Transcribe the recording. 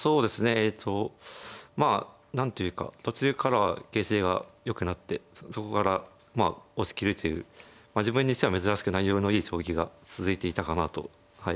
えっとまあ何というか途中からは形勢がよくなってそこからまあ押し切るという自分にしては珍しく内容のいい将棋が続いていたかなとはい思います。